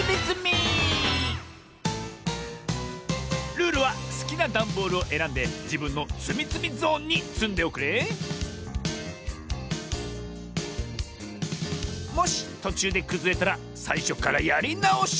ルールはすきなダンボールをえらんでじぶんのつみつみゾーンにつんでおくれもしとちゅうでくずれたらさいしょからやりなおし。